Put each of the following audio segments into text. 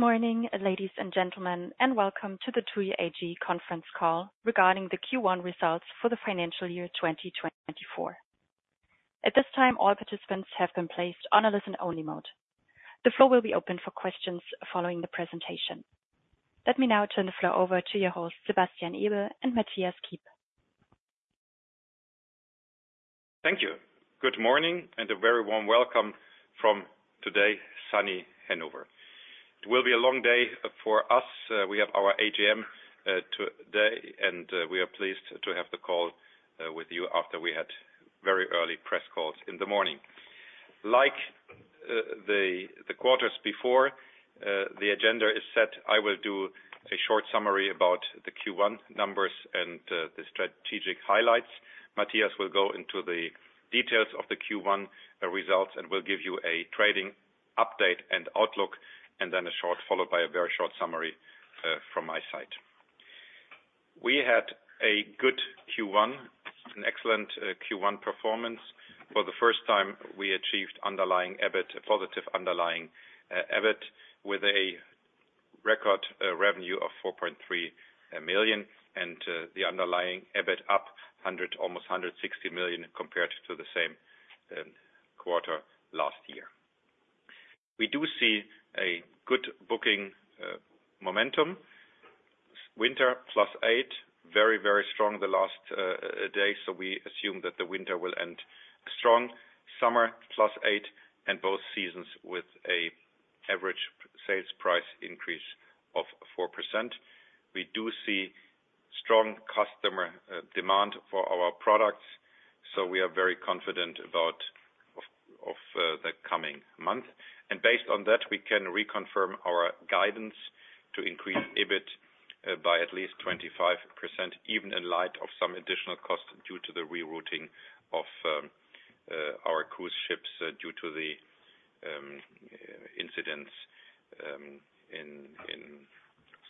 Good morning, ladies and gentlemen, and welcome to the TUI AG conference call regarding the Q1 results for the financial year 2024. At this time, all participants have been placed on a listen-only mode. The floor will be open for questions following the presentation. Let me now turn the floor over to your hosts, Sebastian Ebel and Mathias Kiep. Thank you. Good morning and a very warm welcome from today's sunny Hanover. It will be a long day for us. We have our AGM today, and we are pleased to have the call with you after we had very early press calls in the morning. Like the quarters before, the agenda is set. I will do a short summary about the Q1 numbers and the strategic highlights. Mathias will go into the details of the Q1 results and will give you a trading update and outlook, and then a short followed by a very short summary from my side. We had a good Q1, an excellent Q1 performance. For the first time, we achieved underlying EBIT, a positive underlying EBIT, with a record revenue of 4.3 million, and the underlying EBIT up almost 160 million compared to the same quarter last year. We do see a good booking momentum. Winter +8, very, very strong the last days, so we assume that the winter will end strong. Summer +8, and both seasons with an average sales price increase of 4%. We do see strong customer demand for our products, so we are very confident about the coming month. And based on that, we can reconfirm our guidance to increase EBIT by at least 25%, even in light of some additional cost due to the rerouting of our cruise ships due to the incidents in.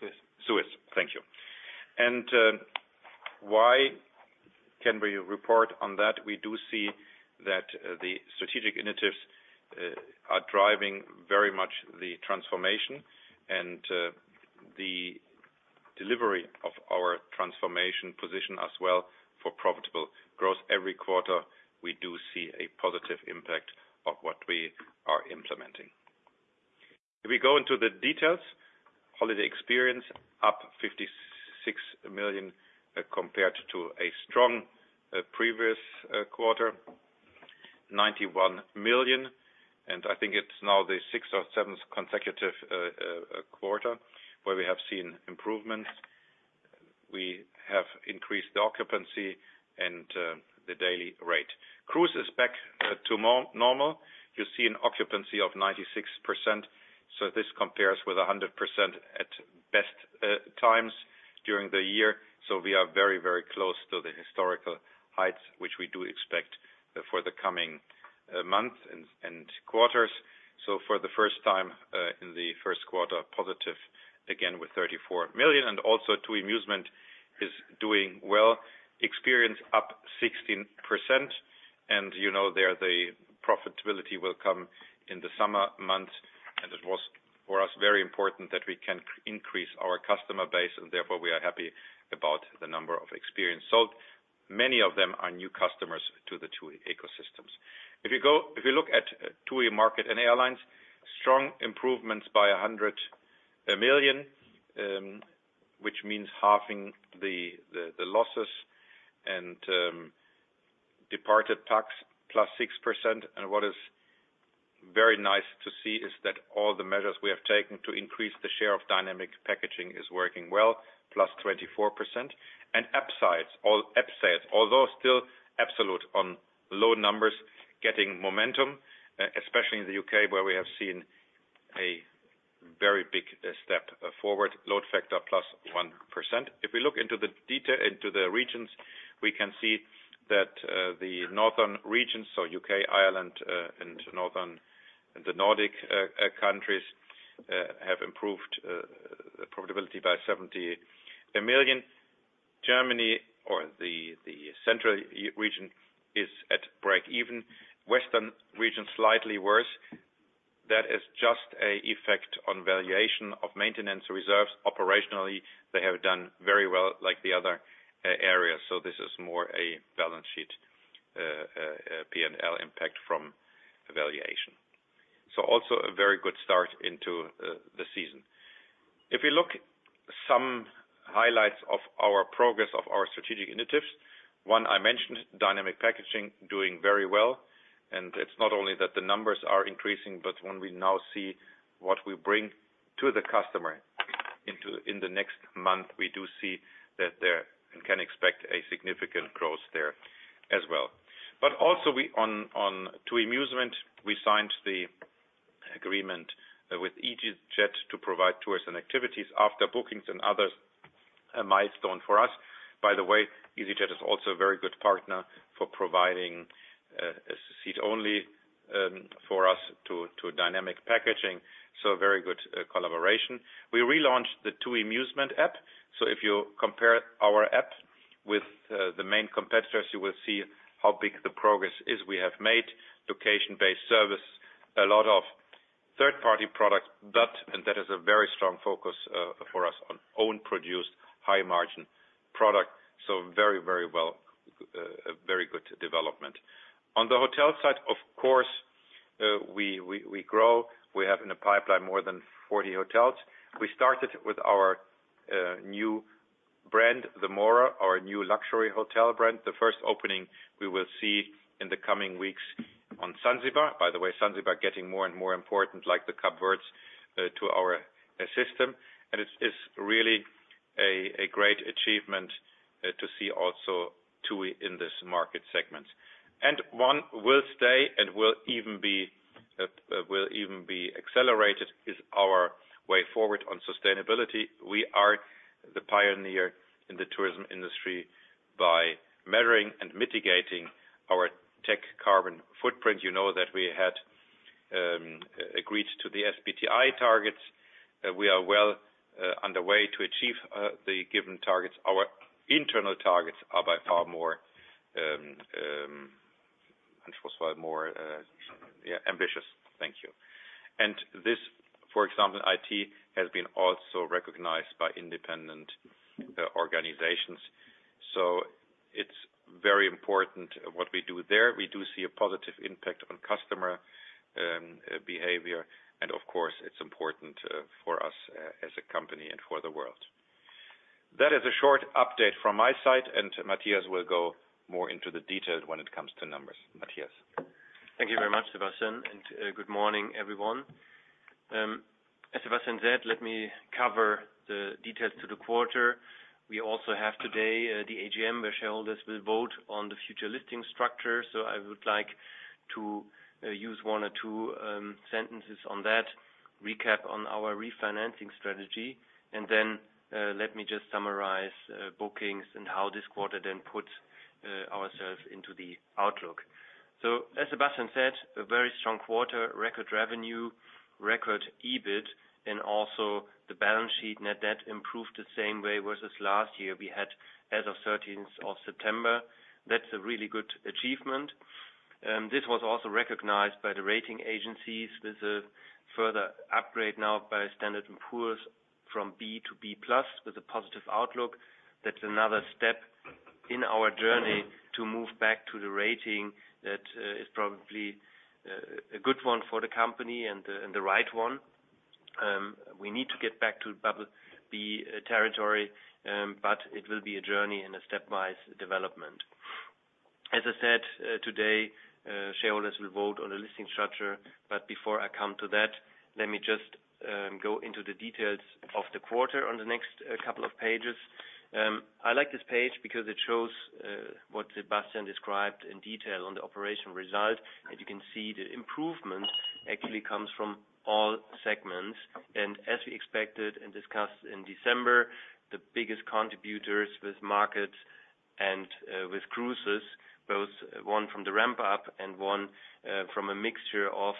Suez. Suez. Thank you. And why can we report on that? We do see that the strategic initiatives are driving very much the transformation, and the delivery of our transformation position as well for profitable growth. Every quarter, we do see a positive impact of what we are implementing. If we go into the details, holiday experience up 56 million compared to a strong previous quarter, 91 million, and I think it's now the sixth or seventh consecutive quarter where we have seen improvements. We have increased the occupancy and the daily rate. Cruise is back to normal. You see an occupancy of 96%, so this compares with 100% at best times during the year. So we are very, very close to the historical heights, which we do expect for the coming months and quarters. So for the first time in the first quarter, positive again with 34 million. Also, TUI Musement is doing well. Experiences up 16%, and there the profitability will come in the summer months, and it was for us very important that we can increase our customer base, and therefore we are happy about the number of experiences sold. Many of them are new customers to the TUI ecosystem. If you look at TUI hotels and airlines, strong improvements by 100 million, which means halving the losses and departed pax +6%. And what is very nice to see is that all the measures we have taken to increase the share of dynamic packaging is working well, +24%. And upsells, all upsells, although still absolute on low numbers, getting momentum, especially in the UK where we have seen a very big step forward. Load factor +1%. If we look into the regions, we can see that the Northern Region, so UK, Ireland, and the Nordic countries, have improved profitability by 70 million. Germany, or the Central Region, is at break-even. Western Region, slightly worse. That is just an effect on valuation of maintenance reserves. Operationally, they have done very well like the other areas, so this is more a balance sheet P&L impact from valuation. So also a very good start into the season. If we look at some highlights of our progress, of our strategic initiatives, one I mentioned, dynamic packaging, doing very well. And it's not only that the numbers are increasing, but when we now see what we bring to the customer in the next month, we do see that there and can expect a significant growth there as well. But also, on TUI Musement, we signed the agreement with easyJet to provide tours and activities after bookings and others, a milestone for us. By the way, easyJet is also a very good partner for providing a seat-only for us to dynamic packaging, so a very good collaboration. We relaunched the TUI Musement app. So if you compare our app with the main competitors, you will see how big the progress is we have made. Location-based service, a lot of third-party products, but that is a very strong focus for us on own-produced, high-margin product. So very, very well, a very good development. On the hotel side, of course, we grow. We have in the pipeline more than 40 hotels. We started with our new brand, The Mora, our new luxury hotel brand. The first opening we will see in the coming weeks on Zanzibar. By the way, Zanzibar getting more and more important, like Cape Verde, to our system. It is really a great achievement to see also TUI in this market segment. One will stay and will even be accelerated is our way forward on sustainability. We are the pioneer in the tourism industry by measuring and mitigating our total carbon footprint. You know that we had agreed to the SBTi targets. We are well underway to achieve the given targets. Our internal targets are by far more. and were was far more. Yeah, ambitious. Thank you. And this, for example, it has been also recognized by independent organizations. So it's very important what we do there. We do see a positive impact on customer behavior, and of course, it's important for us as a company and for the world. That is a short update from my side, and Mathias will go more into the detail when it comes to numbers. Mathias. Thank you very much, Sebastian, and good morning, everyone. As Sebastian said, let me cover the details to the quarter. We also have today the AGM, where shareholders will vote on the future listing structure. So I would like to use one or two sentences on that, recap on our refinancing strategy, and then let me just summarize bookings and how this quarter then puts ourselves into the outlook. So as Sebastian said, a very strong quarter, record revenue, record EBIT, and also the balance sheet net debt improved the same way versus last year we had as of 13th of September. That's a really good achievement. This was also recognized by the rating agencies with a further upgrade now by Standard & Poor's from B to B+ with a positive outlook. That's another step in our journey to move back to the rating that is probably a good one for the company and the right one. We need to get back to B+ territory, but it will be a journey and a stepwise development. As I said, today, shareholders will vote on the listing structure, but before I come to that, let me just go into the details of the quarter on the next couple of pages. I like this page because it shows what Sebastian described in detail on the operational result, and you can see the improvement actually comes from all segments. As we expected and discussed in December, the biggest contributors with markets and with cruises, both one from the ramp-up and one from a mixture of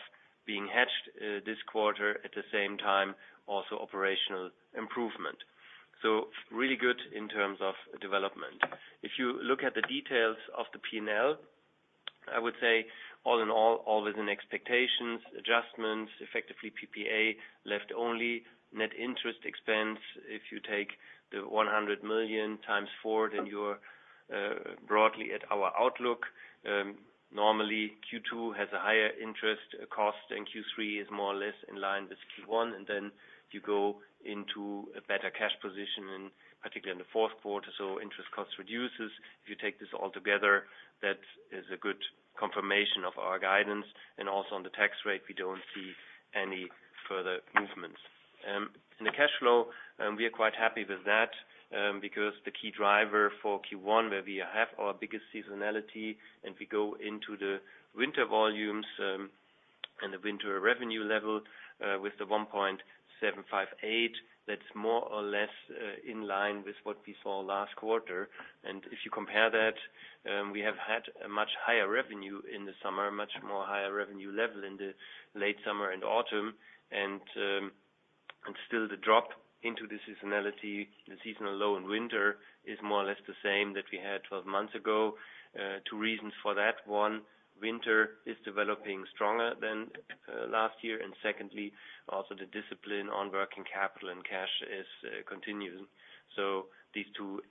being hedged this quarter, at the same time, also operational improvement. So really good in terms of development. If you look at the details of the P&L, I would say all in all, always in expectations, adjustments, effectively PPA, left-only, net interest expense. If you take the 100 million times 4, then you're broadly at our outlook. Normally, Q2 has a higher interest cost than Q3 is more or less in line with Q1, and then you go into a better cash position, particularly in the fourth quarter. So interest cost reduces. If you take this all together, that is a good confirmation of our guidance. And also on the tax rate, we don't see any further movements. In the cash flow, we are quite happy with that because the key driver for Q1, where we have our biggest seasonality and we go into the winter volumes and the winter revenue level with the 1.758 billion, that's more or less in line with what we saw last quarter. If you compare that, we have had a much higher revenue in the summer, much more higher revenue level in the late summer and autumn, and still the drop into the seasonality, the seasonal low in winter is more or less the same that we had 12 months ago. Two reasons for that. One, winter is developing stronger than last year, and secondly, also the discipline on working capital and cash is continuing. So these two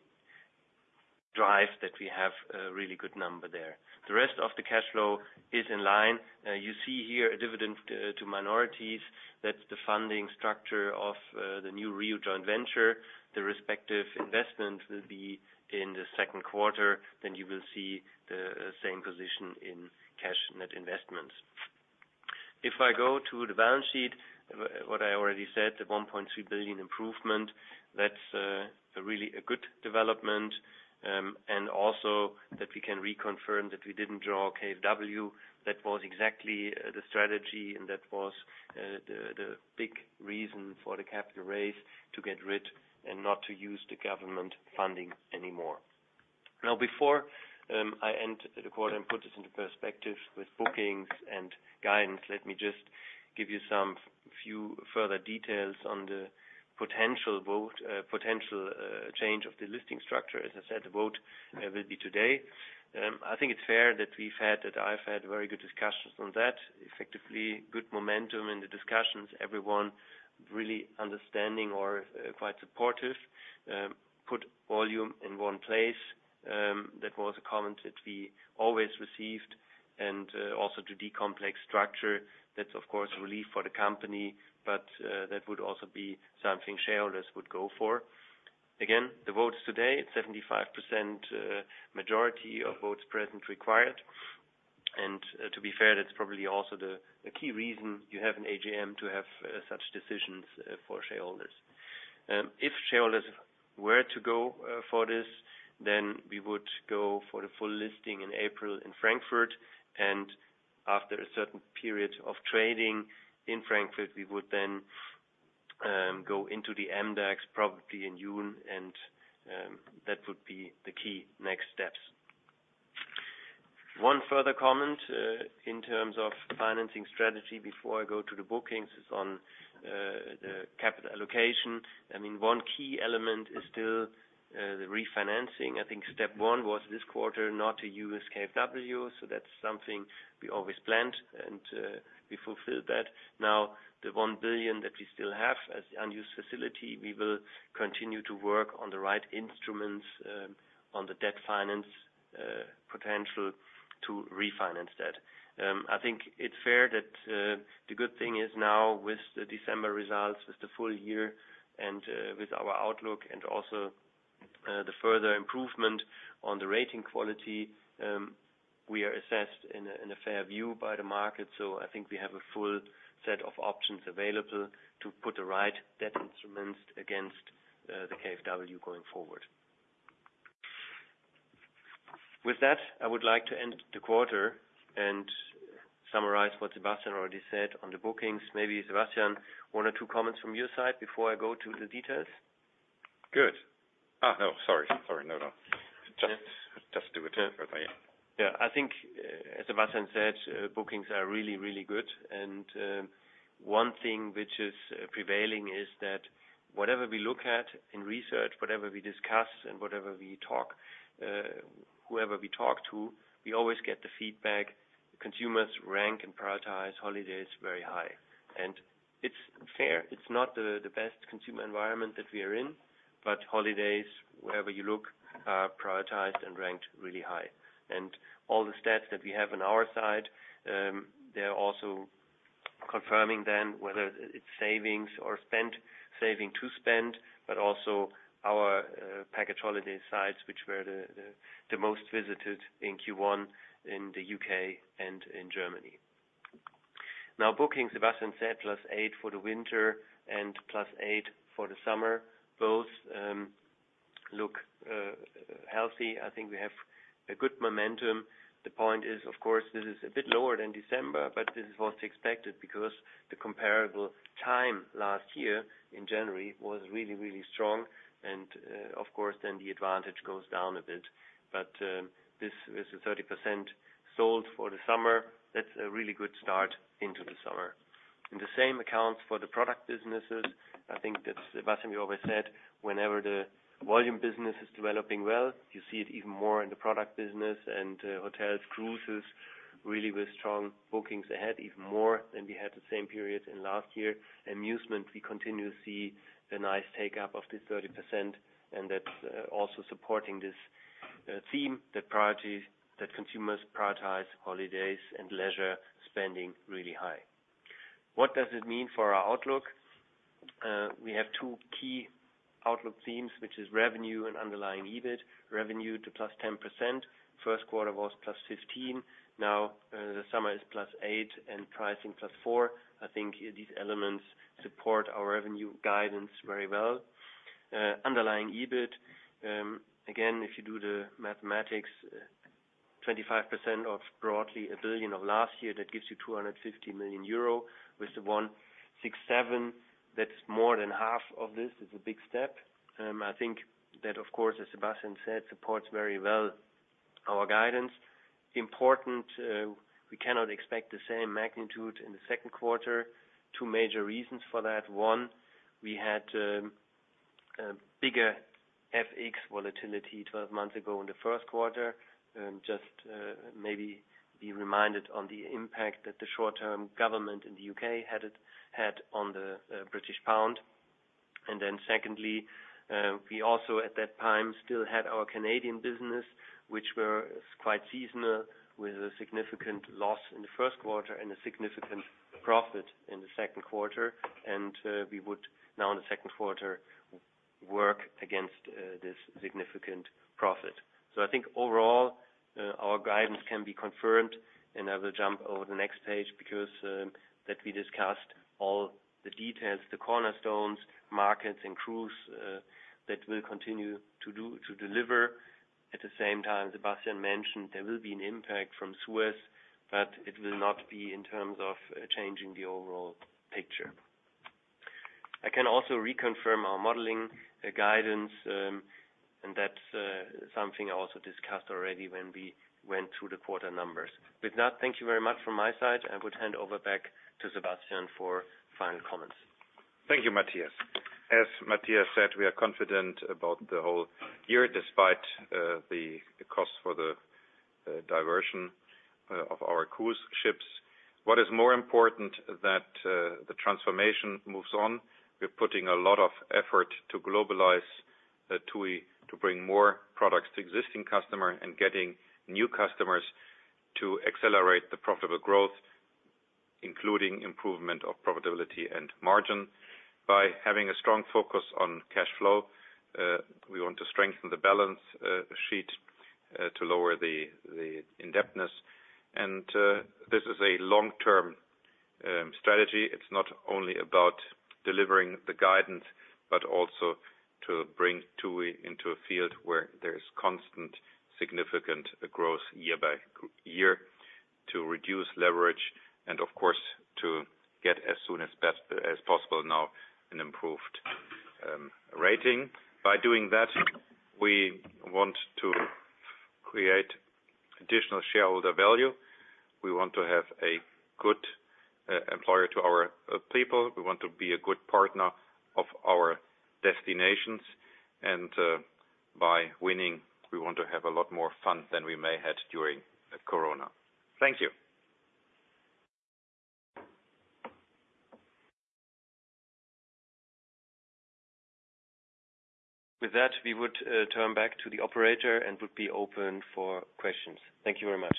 drive that we have a really good number there. The rest of the cash flow is in line. You see here a dividend to minorities. That's the funding structure of the new RIU joint venture. The respective investment will be in the second quarter. Then you will see the same position in cash net investments. If I go to the balance sheet, what I already said, the 1.3 billion improvement, that's really a good development. And also that we can reconfirm that we didn't draw KfW. That was exactly the strategy, and that was the big reason for the capital raise to get rid and not to use the government funding anymore. Now, before I end the quarter and put this into perspective with bookings and guidance, let me just give you some few further details on the potential change of the listing structure. As I said, the vote will be today. I think it's fair that I've had very good discussions on that. Effectively, good momentum in the discussions. Everyone really understanding or quite supportive. Put volume in one place. That was a comment that we always received. And also to decomplex structure. That's, of course, relief for the company, but that would also be something shareholders would go for. Again, the vote is today. It's 75% majority of votes present required. To be fair, that's probably also the key reason you have an AGM to have such decisions for shareholders. If shareholders were to go for this, then we would go for the full listing in April in Frankfurt. And after a certain period of trading in Frankfurt, we would then go into the MDAX probably in June, and that would be the key next steps. One further comment in terms of financing strategy before I go to the bookings is on the capital allocation. I mean, one key element is still the refinancing. I think step one was this quarter not to use KfW, so that's something we always planned, and we fulfilled that. Now, the 1 billion that we still have as unused facility, we will continue to work on the right instruments on the debt finance potential to refinance that. I think it's fair that the good thing is now with the December results, with the full year and with our outlook and also the further improvement on the rating quality, we are assessed in a fair view by the market. So I think we have a full set of options available to put the right debt instruments against the KfW going forward. With that, I would like to end the quarter and summarize what Sebastian already said on the bookings. Maybe, Sebastian, one or two comments from your side before I go to the details. Good. Oh, no. Sorry. Sorry. No, no. Just do it further. Yeah. Yeah. I think, as Sebastian said, bookings are really, really good. One thing which is prevailing is that whatever we look at in research, whatever we discuss and whatever we talk, whoever we talk to, we always get the feedback consumers rank and prioritize holidays very high. It's fair. It's not the best consumer environment that we are in, but holidays, wherever you look, are prioritized and ranked really high. All the stats that we have on our side, they're also confirming then whether it's savings or spent, saving to spend, but also our package holiday sites, which were the most visited in Q1 in the U.K. and in Germany. Now, bookings, Sebastian said, +8 for the winter and +8 for the summer, both look healthy. I think we have a good momentum. The point is, of course, this is a bit lower than December, but this was expected because the comparable time last year in January was really, really strong. And of course, then the advantage goes down a bit. But with the 30% sold for the summer, that's a really good start into the summer. In the same accounts for the product businesses, I think that's Sebastian, we always said, whenever the volume business is developing well, you see it even more in the product business and hotels, cruises, really with strong bookings ahead even more than we had the same period in last year. Musement, we continue to see a nice take-up of this 30%, and that's also supporting this theme that consumers prioritize holidays and leisure spending really high. What does it mean for our outlook? We have two key outlook themes, which is revenue and underlying EBIT. Revenue to +10%. First quarter was +15%. Now, the summer is +8% and pricing +4%. I think these elements support our revenue guidance very well. Underlying EBIT, again, if you do the mathematics, 25% of broadly 1 billion of last year, that gives you 250 million euro. With the 1.67, that's more than half of this. It's a big step. I think that, of course, as Sebastian said, supports very well our guidance. Important, we cannot expect the same magnitude in the second quarter. Two major reasons for that. One, we had bigger FX volatility 12 months ago in the first quarter. Just maybe be reminded on the impact that the short-term government in the UK had on the British pound. And then secondly, we also, at that time, still had our Canadian business, which were quite seasonal with a significant loss in the first quarter and a significant profit in the second quarter. And we would now, in the second quarter, work against this significant profit. So I think overall, our guidance can be confirmed, and I will jump over to the next page because that we discussed all the details, the cornerstones, markets, and cruise that will continue to deliver. At the same time, Sebastian mentioned there will be an impact from Suez, but it will not be in terms of changing the overall picture. I can also reconfirm our modeling guidance, and that's something I also discussed already when we went through the quarter numbers. With that, thank you very much from my side. I would hand over back to Sebastian for final comments. Thank you, Mathias. As Mathias said, we are confident about the whole year despite the cost for the diversion of our cruise ships. What is more important, that the transformation moves on. We're putting a lot of effort to globalize TUI, to bring more products to existing customers, and getting new customers to accelerate the profitable growth, including improvement of profitability and margin. By having a strong focus on cash flow, we want to strengthen the balance sheet to lower the indebtedness. And this is a long-term strategy. It's not only about delivering the guidance, but also to bring TUI into a field where there is constant, significant growth year by year to reduce leverage and, of course, to get as soon as possible now an improved rating. By doing that, we want to create additional shareholder value. We want to have a good employer to our people. We want to be a good partner of our destinations. By winning, we want to have a lot more fun than we may had during Corona. Thank you. With that, we would turn back to the operator and would be open for questions. Thank you very much.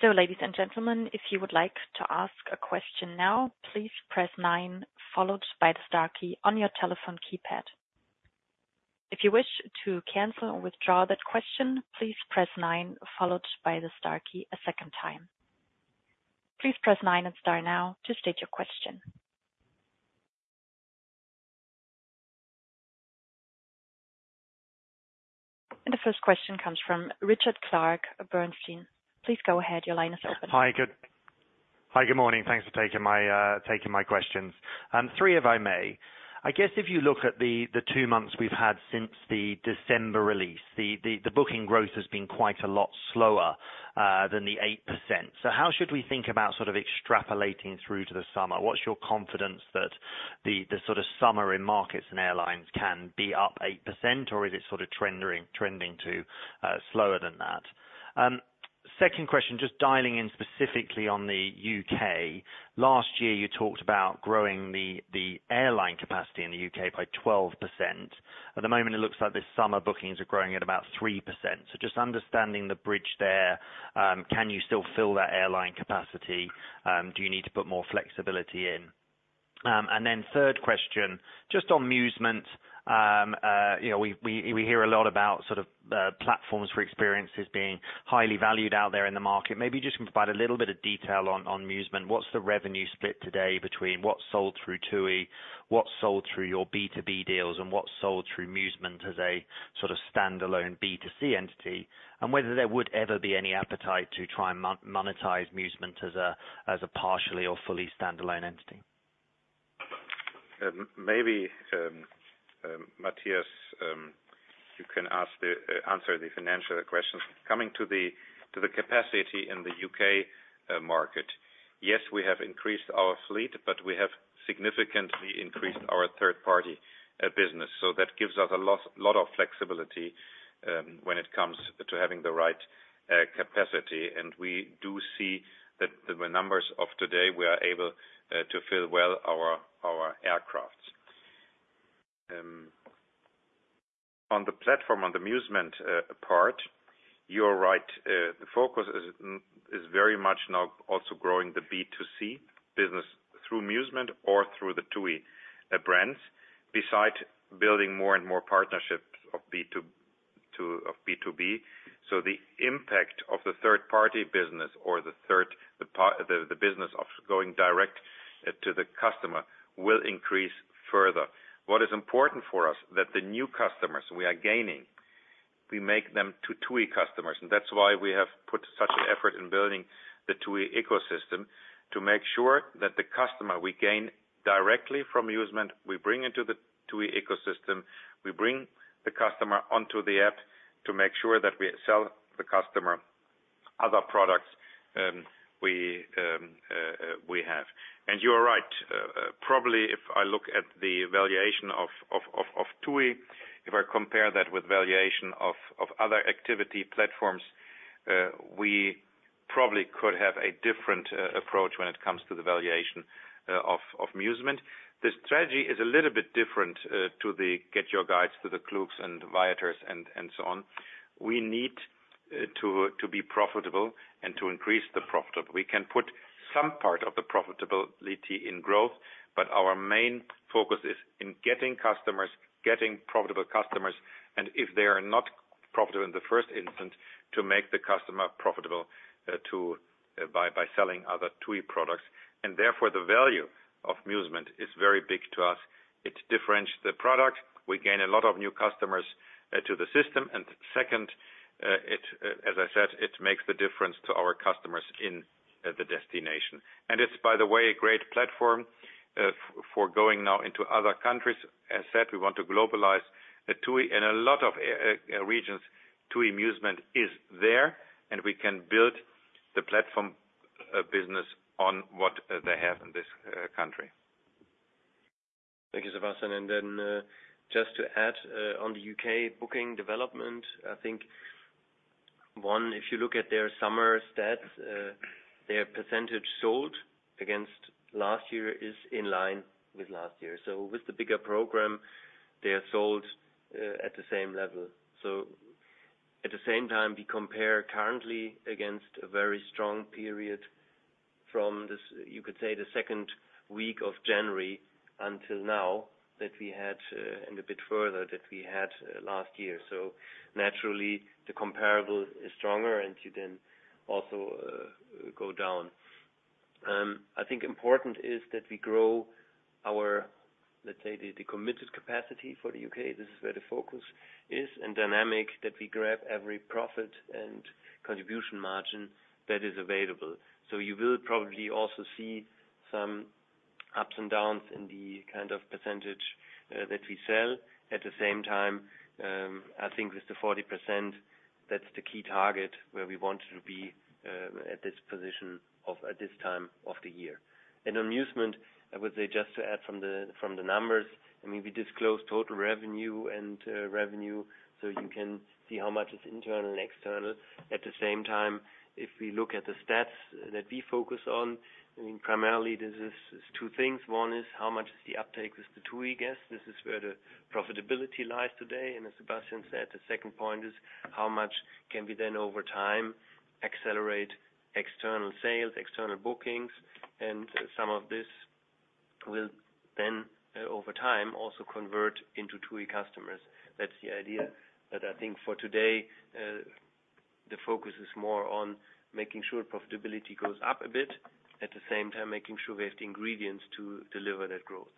So, ladies and gentlemen, if you would like to ask a question now, please press nine followed by the star key on your telephone keypad. If you wish to cancel or withdraw that question, please press nine followed by the star key a second time. Please press nine and star now to state your question. And the first question comes from Richard Clarke of Bernstein. Please go ahead. Your line is open. Hi. Good morning. Thanks for taking my questions. Three, if I may. I guess if you look at the two months we've had since the December release, the booking growth has been quite a lot slower than the 8%. So how should we think about sort of extrapolating through to the summer? What's your confidence that the sort of summer in markets and airlines can be up 8%, or is it sort of trending to slower than that? Second question, just dialing in specifically on the UK. Last year, you talked about growing the airline capacity in the UK by 12%. At the moment, it looks like this summer bookings are growing at about 3%. So just understanding the bridge there, can you still fill that airline capacity? Do you need to put more flexibility in? Then third question, just on Musement, we hear a lot about sort of platforms for experiences being highly valued out there in the market. Maybe you just can provide a little bit of detail on Musement. What's the revenue split today between what's sold through TUI, what's sold through your B2B deals, and what's sold through Musement as a sort of standalone B2C entity, and whether there would ever be any appetite to try and monetize Musement as a partially or fully standalone entity? Maybe, Mathias, you can answer the financial questions. Coming to the capacity in the UK market, yes, we have increased our fleet, but we have significantly increased our third-party business. So that gives us a lot of flexibility when it comes to having the right capacity. And we do see that the numbers of today, we are able to fill well our aircraft. On the platform, on the Musement part, you're right. The focus is very much now also growing the B2C business through Musement or through the TUI brands, besides building more and more partnerships of B2B. So the impact of the third-party business or the business of going direct to the customer will increase further. What is important for us, that the new customers we are gaining, we make them to TUI customers. And that's why we have put such an effort in building the TUI ecosystem to make sure that the customer we gain directly from Musement, we bring into the TUI ecosystem, we bring the customer onto the app to make sure that we sell the customer other products we have. And you're right. Probably, if I look at the valuation of TUI, if I compare that with valuation of other activity platforms, we probably could have a different approach when it comes to the valuation of Musement. This strategy is a little bit different to the GetYourGuides to the Klooks and Viators and so on. We need to be profitable and to increase the profitability. We can put some part of the profitability in growth, but our main focus is in getting customers, getting profitable customers, and if they are not profitable in the first instance, to make the customer profitable by selling other TUI products. And therefore, the value of Musement is very big to us. It differentiates the product. We gain a lot of new customers to the system. And second, as I said, it makes the difference to our customers in the destination. And it's, by the way, a great platform for going now into other countries. As said, we want to globalize TUI. In a lot of regions, TUI Musement is there, and we can build the platform business on what they have in this country. Thank you, Sebastian. And then just to add on the UK booking development, I think, one, if you look at their summer stats, their percentage sold against last year is in line with last year. So with the bigger program, they are sold at the same level. So at the same time, we compare currently against a very strong period from, you could say, the second week of January until now that we had and a bit further that we had last year. So naturally, the comparable is stronger, and you then also go down. I think important is that we grow our, let's say, the committed capacity for the UK. This is where the focus is and dynamic that we grab every profit and contribution margin that is available. So you will probably also see some ups and downs in the kind of percentage that we sell. At the same time, I think with the 40%, that's the key target where we want to be at this position at this time of the year. And on Musement, I would say just to add from the numbers, I mean, we disclose total revenue and revenue so you can see how much is internal and external. At the same time, if we look at the stats that we focus on, I mean, primarily, this is two things. One is how much is the uptake with the TUI guests. This is where the profitability lies today. And as Sebastian said, the second point is how much can we then over time accelerate external sales, external bookings. And some of this will then, over time, also convert into TUI customers. That's the idea. I think for today, the focus is more on making sure profitability goes up a bit, at the same time, making sure we have the ingredients to deliver that growth.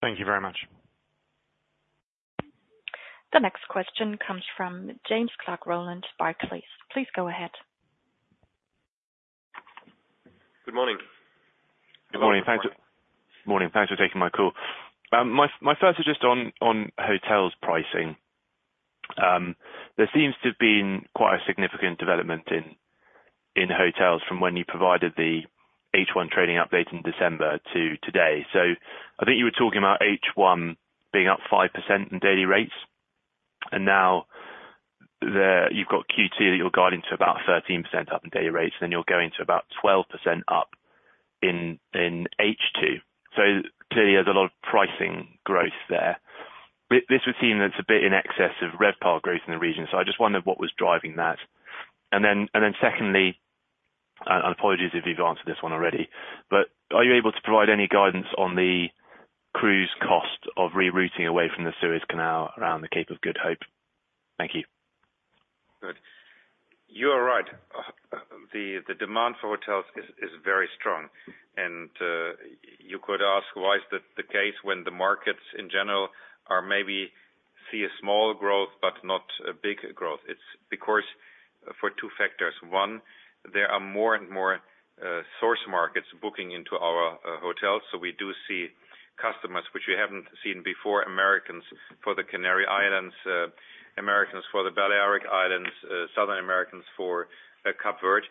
Thank you very much. The next question comes from James Rowland-Clark, Barclays. Please go ahead. Good morning. Good morning. Thanks for taking my call. My first is just on hotels pricing. There seems to have been quite a significant development in hotels from when you provided the H1 trading update in December to today. So I think you were talking about H1 being up 5% in daily rates. And now you've got Q2 that you're guiding to about 13% up in daily rates, and then you're going to about 12% up in H2. So clearly, there's a lot of pricing growth there. This was seen as a bit in excess of RevPAR growth in the region. So I just wondered what was driving that. And then secondly, and apologies if you've answered this one already, but are you able to provide any guidance on the cruise cost of rerouting away from the Suez Canal around the Cape of Good Hope? Thank you. Good. You're right. The demand for hotels is very strong. You could ask why is that the case when the markets, in general, maybe see a small growth but not a big growth. It's because for two factors. One, there are more and more source markets booking into our hotels. We do see customers which we haven't seen before: Americans for the Canary Islands, Americans for the Balearic Islands, Southern Americans for Cape Verde.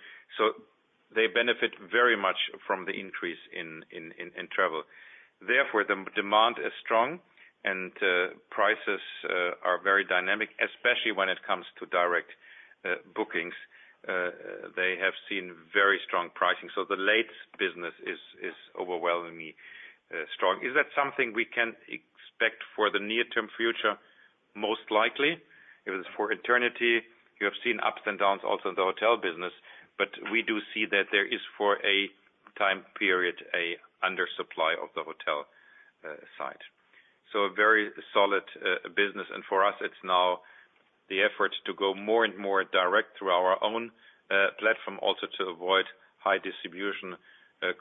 They benefit very much from the increase in travel. Therefore, the demand is strong, and prices are very dynamic, especially when it comes to direct bookings. They have seen very strong pricing. The late business is overwhelmingly strong. Is that something we can expect for the near-term future? Most likely. If it's for eternity, you have seen ups and downs also in the hotel business. But we do see that there is, for a time period, an undersupply of the hotel side. So a very solid business. And for us, it's now the effort to go more and more direct through our own platform, also to avoid high distribution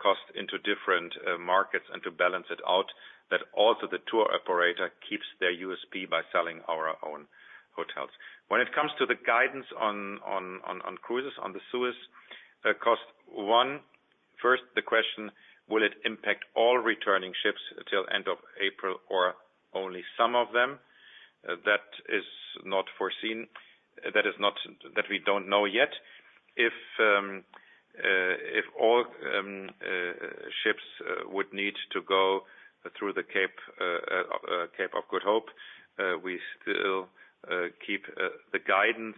costs into different markets and to balance it out, that also the tour operator keeps their USP by selling our own hotels. When it comes to the guidance on cruises on the Suez coast, one, first, the question, will it impact all returning ships till end of April or only some of them? That is not foreseen. That is not that we don't know yet. If all ships would need to go through the Cape of Good Hope, we still keep the guidance.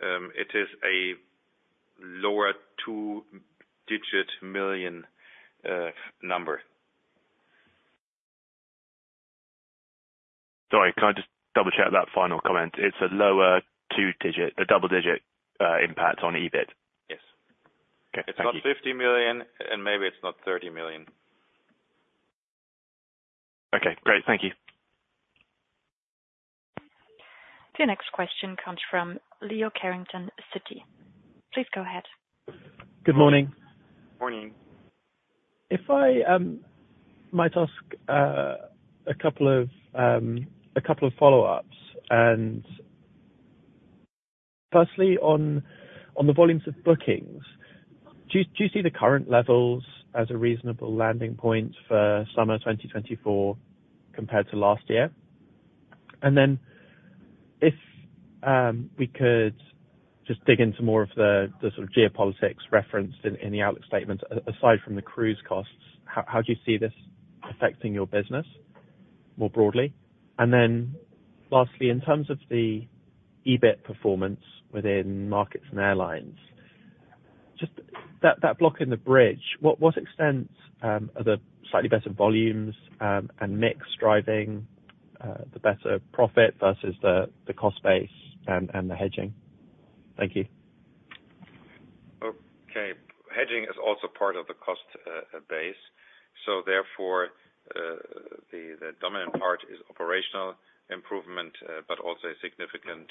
It is a lower two-digit million EUR number. Sorry, can I just double-check that final comment? It's a lower two-digit, a double-digit impact on EBIT. Yes. Okay. Thank you. It's not 50 million, and maybe it's not 30 million. Okay. Great. Thank you. The next question comes from Leo Carrington, Citigroup. Please go ahead. Good morning. Morning. If I might ask a couple of follow-ups. Firstly, on the volumes of bookings, do you see the current levels as a reasonable landing point for summer 2024 compared to last year? And then if we could just dig into more of the sort of geopolitics referenced in the outlook statement, aside from the cruise costs, how do you see this affecting your business more broadly? And then lastly, in terms of the EBIT performance within markets and airlines, just that block in the bridge, what extent are the slightly better volumes and mix driving the better profit versus the cost base and the hedging? Thank you. Okay. Hedging is also part of the cost base. So therefore, the dominant part is operational improvement but also a significant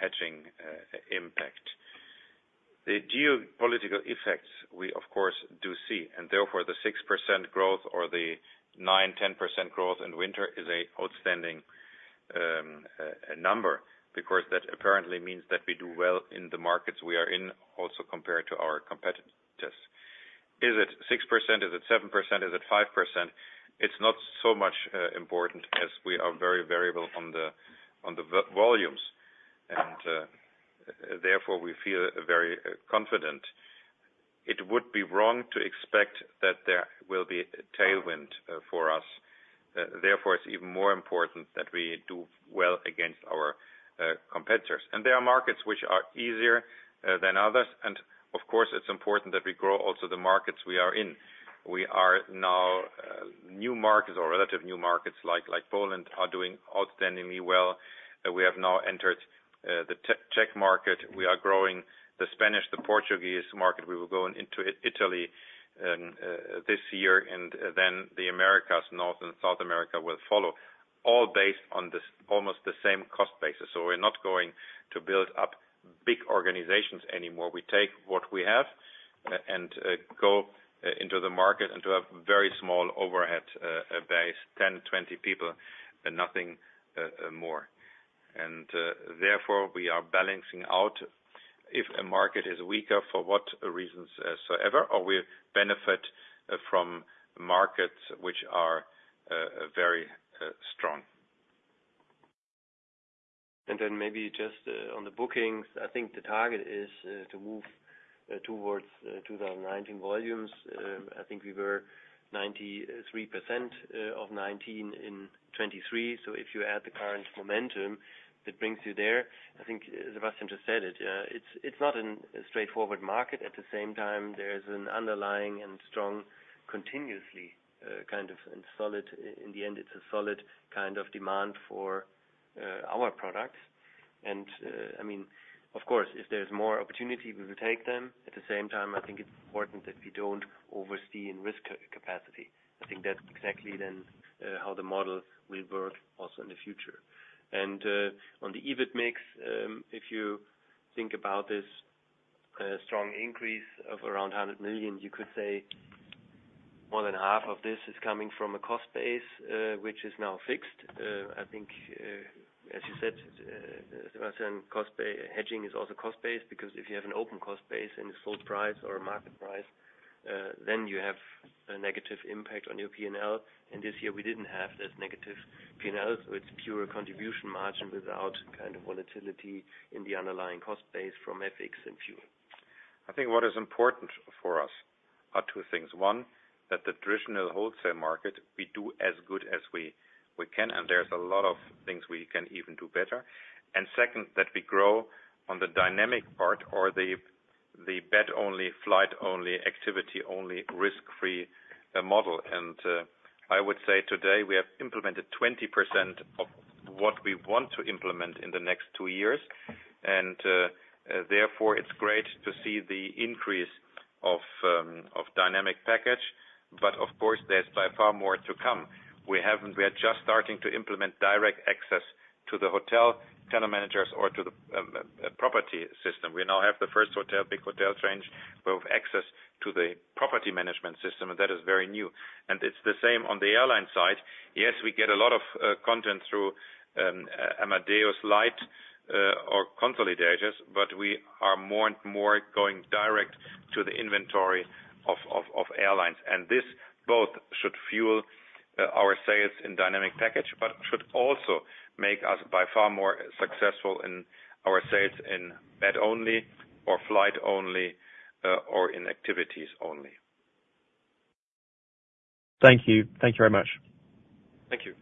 hedging impact. The geopolitical effects, we, of course, do see. And therefore, the 6% growth or the 9%-10% growth in winter is an outstanding number because that apparently means that we do well in the markets we are in also compared to our competitors. Is it 6%? Is it 7%? Is it 5%? It's not so much important as we are very variable on the volumes. And therefore, we feel very confident. It would be wrong to expect that there will be tailwind for us. Therefore, it's even more important that we do well against our competitors. And there are markets which are easier than others. And of course, it's important that we grow also the markets we are in. We are now new markets or relative new markets like Poland are doing outstandingly well. We have now entered the Czech market. We are growing the Spanish, the Portuguese market. We will go into Italy this year. And then the Americas, North and South America, will follow, all based on almost the same cost basis. So we're not going to build up big organizations anymore. We take what we have and go into the market and to have very small overhead base, 10, 20 people, and nothing more. And therefore, we are balancing out if a market is weaker for what reasons soever, or we benefit from markets which are very strong. Then maybe just on the bookings, I think the target is to move towards 2019 volumes. I think we were 93% of 2019 in 2023. So if you add the current momentum, that brings you there. I think Sebastian just said it. It's not a straightforward market. At the same time, there is an underlying and strong continuously kind of and solid in the end, it's a solid kind of demand for our products. And I mean, of course, if there's more opportunity, we will take them. At the same time, I think it's important that we don't oversee in risk capacity. I think that's exactly then how the model will work also in the future. On the EBIT mix, if you think about this strong increase of around 100 million, you could say more than half of this is coming from a cost base which is now fixed. I think, as you said, Sebastian, hedging is also cost base because if you have an open cost base and it's sold price or a market price, then you have a negative impact on your P&L. This year, we didn't have this negative P&L. So it's pure contribution margin without kind of volatility in the underlying cost base from FX and fuel. I think what is important for us are two things. One, that the traditional wholesale market, we do as good as we can, and there's a lot of things we can even do better. And second, that we grow on the dynamic part or the bed-only, flight-only, activity-only, risk-free model. And I would say today, we have implemented 20% of what we want to implement in the next two years. And therefore, it's great to see the increase of dynamic packaging. But of course, there's by far more to come. We are just starting to implement direct access to the hotel channel managers or to the property system. We now have the first big hotel chain where we've access to the property management system, and that is very new. And it's the same on the airline side. Yes, we get a lot of content through Amadeus Light or consolidators, but we are more and more going direct to the inventory of airlines. This both should fuel our sales in dynamic packaging but should also make us by far more successful in our sales in bed-only or flight-only or in activities-only. Thank you. Thank you very much. Thank you.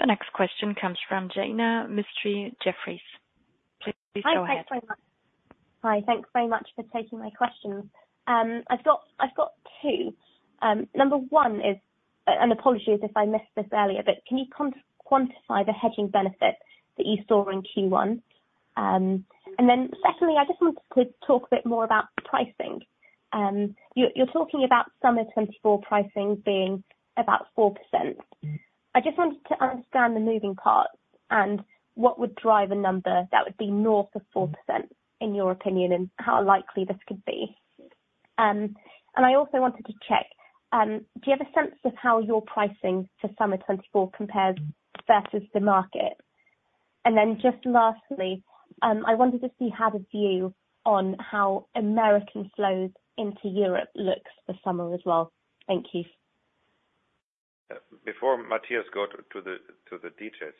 The next question comes from Jaina Mistry, Jefferies. Please go ahead. Hi. Thanks very much. Hi. Thanks very much for taking my questions. I've got two. Number one is an apology if I missed this earlier, but can you quantify the hedging benefit that you saw in Q1? And then secondly, I just wanted to talk a bit more about pricing. You're talking about summer 2024 pricing being about 4%. I just wanted to understand the moving parts and what would drive a number that would be north of 4% in your opinion and how likely this could be. And I also wanted to check, do you have a sense of how your pricing for summer 2024 compares versus the market? And then just lastly, I wanted to see how the view on how American flows into Europe looks for summer as well. Thank you. Before Mathias goes to the details,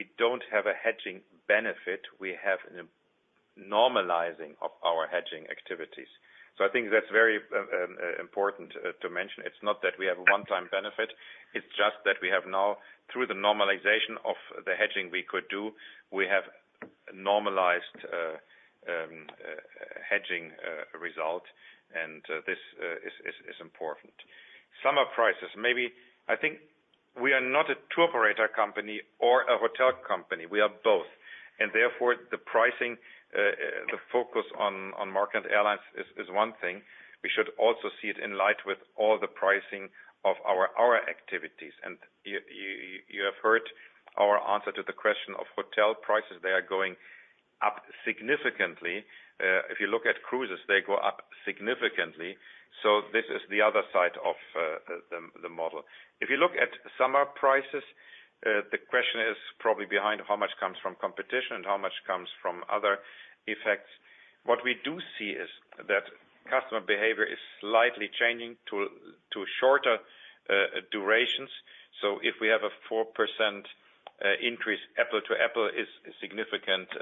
we don't have a hedging benefit. We have a normalizing of our hedging activities. So I think that's very important to mention. It's not that we have a one-time benefit. It's just that we have now, through the normalization of the hedging we could do, we have a normalized hedging result. And this is important. Summer prices, maybe I think we are not a tour operator company or a hotel company. We are both. And therefore, the focus on market and airlines is one thing. We should also see it in light with all the pricing of our activities. And you have heard our answer to the question of hotel prices. They are going up significantly. If you look at cruises, they go up significantly. So this is the other side of the model. If you look at summer prices, the question is probably how much comes from competition and how much comes from other effects. What we do see is that customer behavior is slightly changing to shorter durations. So if we have a 4% increase, apples to apples is significantly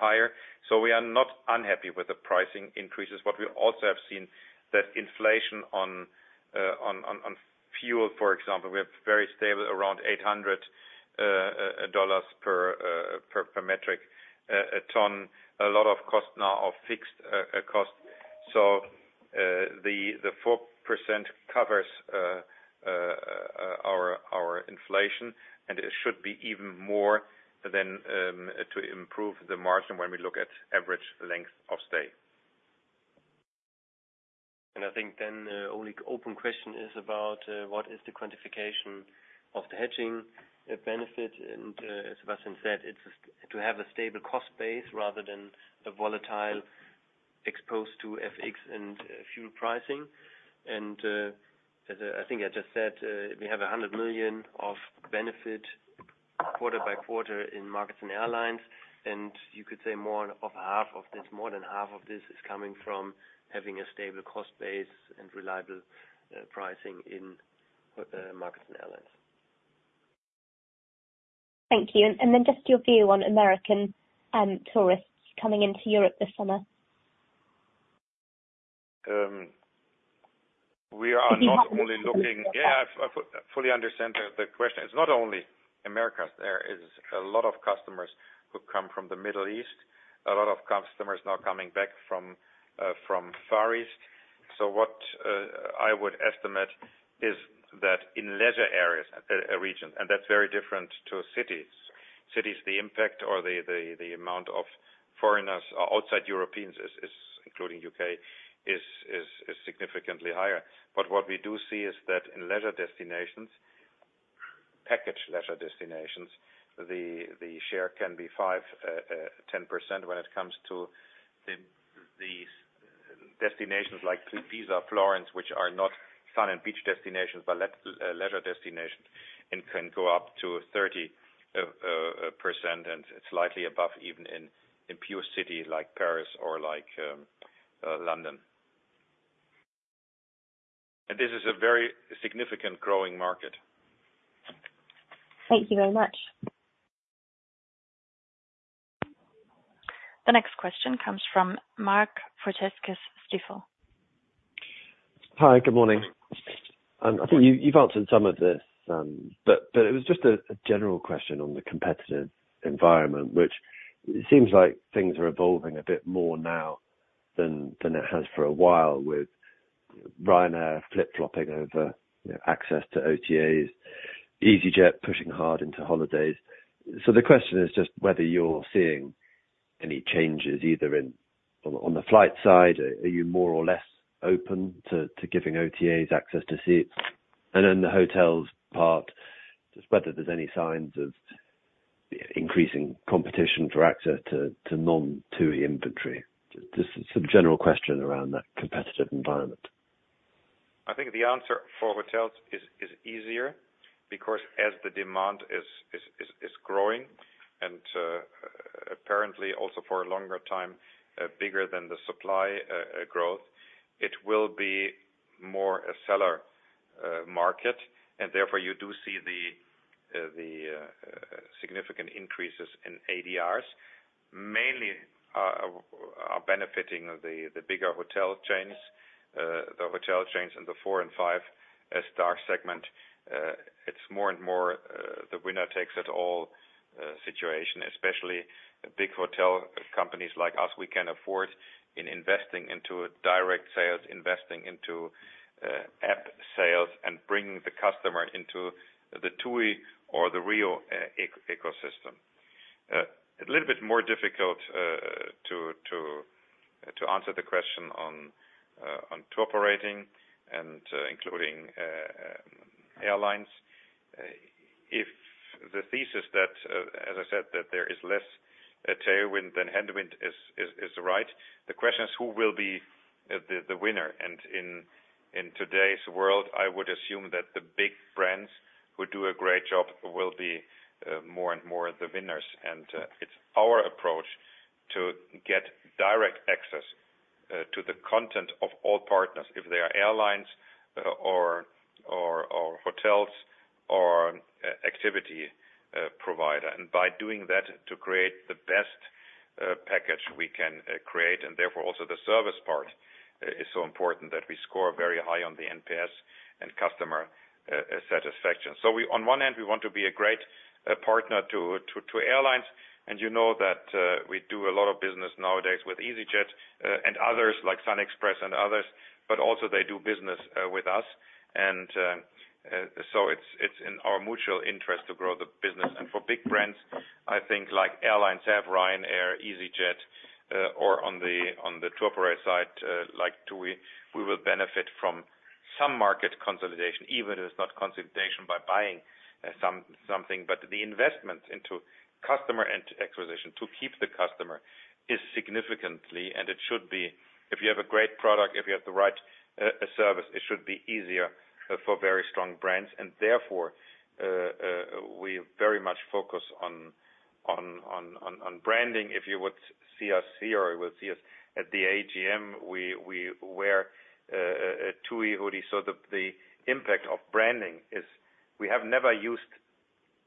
higher. So we are not unhappy with the pricing increases. What we also have seen is that inflation on fuel, for example, we have very stable around $800 per metric ton, a lot of cost now of fixed cost. So the 4% covers our inflation, and it should be even more than enough to improve the margin when we look at average length of stay. I think then the only open question is about what is the quantification of the hedging benefit. As Sebastian said, it's to have a stable cost base rather than a volatile exposed to FX and fuel pricing. As I think I just said, we have 100 million of benefit quarter by quarter in markets and airlines. You could say more of half of this, more than half of this is coming from having a stable cost base and reliable pricing in markets and airlines. Thank you. And then just your view on American tourists coming into Europe this summer? We are not only looking. I fully understand the question. It's not only America. There is a lot of customers who come from the Middle East, a lot of customers now coming back from Far East. So what I would estimate is that in leisure areas, regions, and that's very different to cities. Cities, the impact or the amount of foreigners or outside Europeans, including UK, is significantly higher. But what we do see is that in leisure destinations, package leisure destinations, the share can be 5%-10% when it comes to the destinations like Pisa, Florence, which are not sun and beach destinations but leisure destinations, and can go up to 30% and slightly above even in pure city like Paris or like London. And this is a very significant growing market. Thank you very much. The next question comes from Mark Irvine-Fortescue, Stifel. Hi. Good morning. I think you've answered some of this, but it was just a general question on the competitive environment, which it seems like things are evolving a bit more now than it has for a while with Ryanair flip-flopping over access to OTAs, EasyJet pushing hard into holidays. So the question is just whether you're seeing any changes either on the flight side. Are you more or less open to giving OTAs access to seats? And then the hotels part, just whether there's any signs of increasing competition for access to non-TUI inventory. Just some general question around that competitive environment. I think the answer for hotels is easier because as the demand is growing and apparently also for a longer time bigger than the supply growth, it will be more a seller market. Therefore, you do see the significant increases in ADRs. Mainly, [they] are benefiting the bigger hotel chains, the hotel chains in the four- and five-star segment. It's more and more the winner takes it all situation, especially big hotel companies like us. We can afford investing into direct sales, investing into app sales, and bringing the customer into the TUI or the RIU ecosystem. A little bit more difficult to answer the question on tour operating and including airlines. As I said, that there is less tailwind than headwind is right. The question is who will be the winner. In today's world, I would assume that the big brands who do a great job will be more and more the winners. It's our approach to get direct access to the content of all partners, if they are airlines or hotels or activity provider. By doing that, to create the best package we can create. Therefore, also the service part is so important that we score very high on the NPS and customer satisfaction. On one hand, we want to be a great partner to airlines. You know that we do a lot of business nowadays with EasyJet and others like SunExpress and others, but also they do business with us. So it's in our mutual interest to grow the business. And for big brands, I think like airlines have Ryanair, EasyJet, or on the tour operator side like TUI, we will benefit from some market consolidation, even if it's not consolidation by buying something. But the investment into customer acquisition to keep the customer is significantly and it should be if you have a great product, if you have the right service, it should be easier for very strong brands. And therefore, we very much focus on branding. If you would see us here or you will see us at the AGM, we wear a TUI hoodie. So the impact of branding is we have never used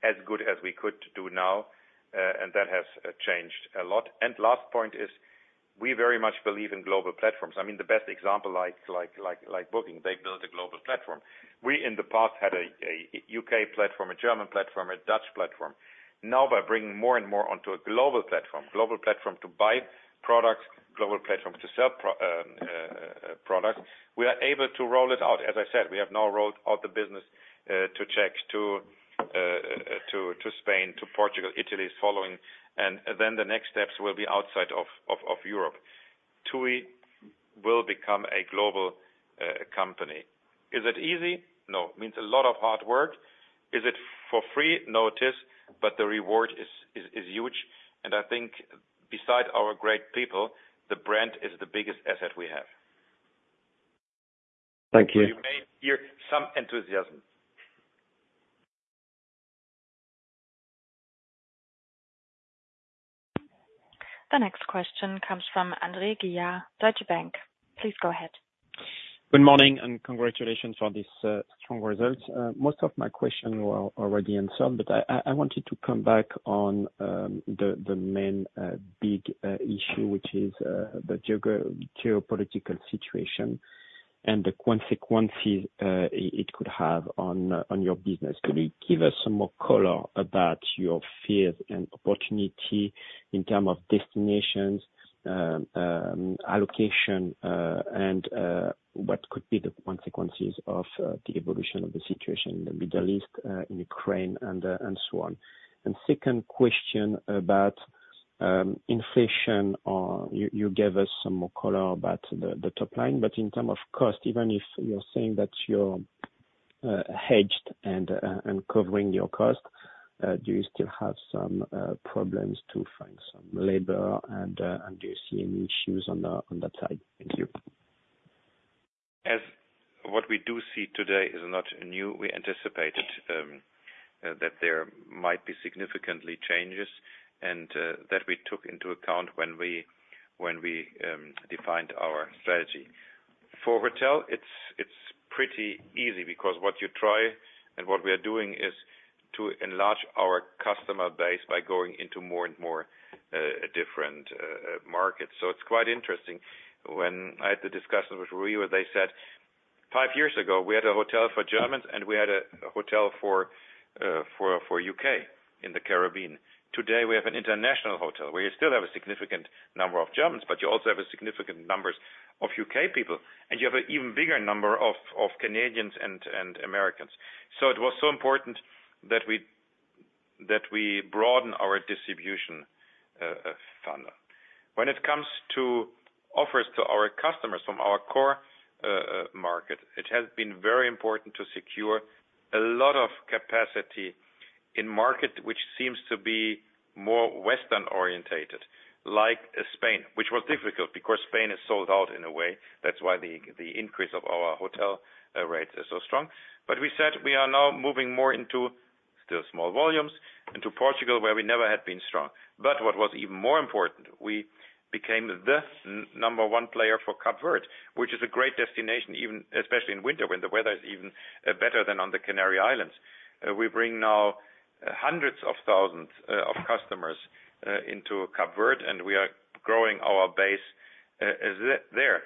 as good as we could do now, and that has changed a lot. And last point is we very much believe in global platforms. I mean, the best example like Booking, they built a global platform. We, in the past, had a UK platform, a German platform, a Dutch platform. Now, by bringing more and more onto a global platform, global platform to buy products, global platform to sell products, we are able to roll it out. As I said, we have now rolled out the business to Czech, to Spain, to Portugal, Italy is following. And then the next steps will be outside of Europe. 2E will become a global company. Is it easy? No. It means a lot of hard work. Is it for free? No it is. But the reward is huge. And I think beside our great people, the brand is the biggest asset we have. Thank you. You may hear some enthusiasm. The next question comes from Andre Juillard, Deutsche Bank. Please go ahead. Good morning and congratulations on this strong result. Most of my questions were already answered, but I wanted to come back on the main big issue, which is the geopolitical situation and the consequences it could have on your business. Can you give us some more color about your fears and opportunity in terms of destinations, allocation, and what could be the consequences of the evolution of the situation in the Middle East, in Ukraine, and so on? And second question about inflation. You gave us some more color about the top line. But in terms of cost, even if you're saying that you're hedged and covering your cost, do you still have some problems to find some labor? And do you see any issues on that side? Thank you. What we do see today is not new. We anticipated that there might be significant changes and that we took into account when we defined our strategy. For hotel, it's pretty easy because what you try and what we are doing is to enlarge our customer base by going into more and more different markets. So it's quite interesting. When I had the discussion with RIU, they said, "Five years ago, we had a hotel for Germans, and we had a hotel for UK in the Caribbean. Today, we have an international hotel. We still have a significant number of Germans, but you also have a significant number of UK people, and you have an even bigger number of Canadians and Americans." So it was so important that we broaden our distribution front. When it comes to offers to our customers from our core market, it has been very important to secure a lot of capacity in market, which seems to be more Western-oriented like Spain, which was difficult because Spain is sold out in a way. That's why the increase of our hotel rates is so strong. But we said we are now moving more into still small volumes into Portugal, where we never had been strong. But what was even more important, we became the number one player for Cape Verde, which is a great destination, especially in winter when the weather is even better than on the Canary Islands. We bring now hundreds of thousands of customers into Cape Verde, and we are growing our base there.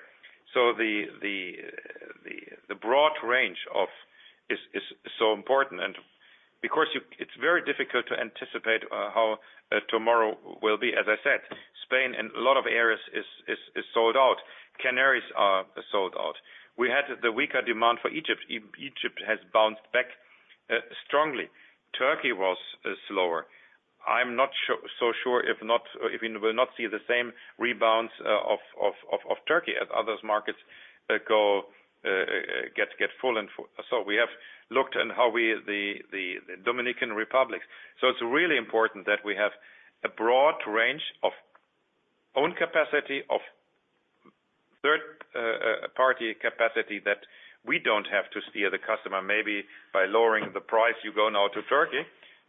So the broad range is so important. And because it's very difficult to anticipate how tomorrow will be. As I said, Spain and a lot of areas is sold out. Canaries are sold out. We had the weaker demand for Egypt. Egypt has bounced back strongly. Turkey was slower. I'm not so sure if we will not see the same rebound of Turkey as other markets get full. And so we have looked at how we the Dominican Republic. So it's really important that we have a broad range of own capacity, of third-party capacity that we don't have to steer the customer. Maybe by lowering the price, you go now to Turkey.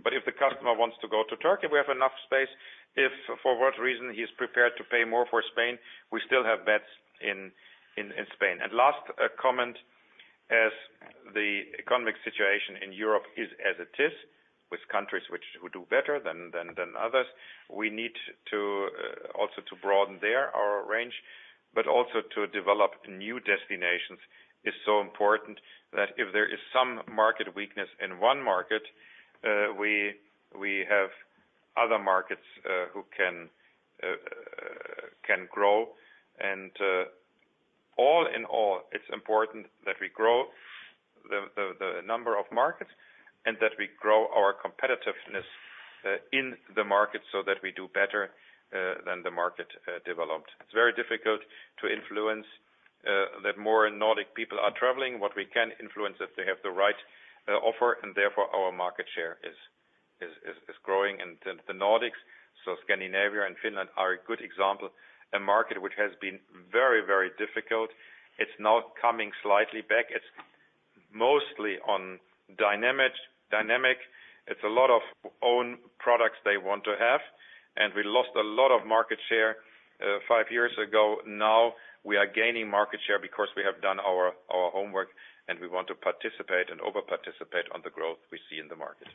But if the customer wants to go to Turkey, we have enough space. If for what reason he's prepared to pay more for Spain, we still have beds in Spain. Last comment, as the economic situation in Europe is as it is with countries who do better than others, we need also to broaden their range. But also to develop new destinations is so important that if there is some market weakness in one market, we have other markets who can grow. And all in all, it's important that we grow the number of markets and that we grow our competitiveness in the market so that we do better than the market developed. It's very difficult to influence that more Nordic people are traveling. What we can influence is if they have the right offer, and therefore, our market share is growing. And the Nordics, so Scandinavia and Finland, are a good example. A market which has been very, very difficult. It's now coming slightly back. It's mostly on dynamic. It's a lot of own products they want to have. We lost a lot of market share five years ago. Now, we are gaining market share because we have done our homework, and we want to participate and overparticipate on the growth we see in the market.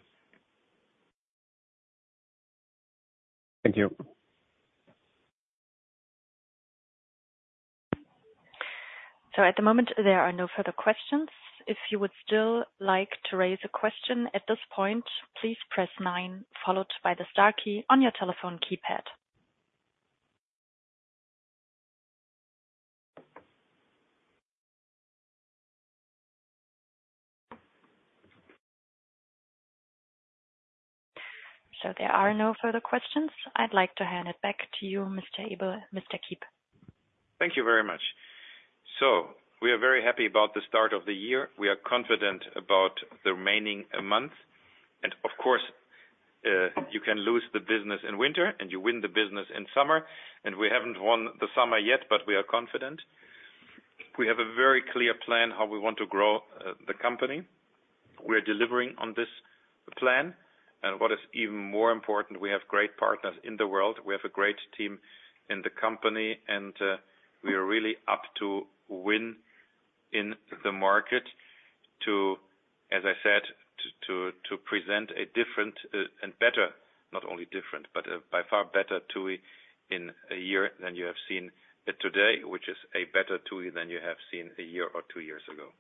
Thank you. So at the moment, there are no further questions. If you would still like to raise a question at this point, please press 9 followed by the star key on your telephone keypad. So there are no further questions. I'd like to hand it back to you, Mr. Ebel, Mr. Kiep. Thank you very much. So we are very happy about the start of the year. We are confident about the remaining month. And of course, you can lose the business in winter, and you win the business in summer. And we haven't won the summer yet, but we are confident. We have a very clear plan how we want to grow the company. We are delivering on this plan. And what is even more important, we have great partners in the world. We have a great team in the company, and we are really up to win in the market too, as I said, to present a different and better not only different, but by far better EBIT in a year than you have seen today, which is a better EBIT than you have seen a year or two years ago.